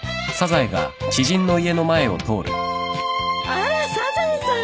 あらサザエさん。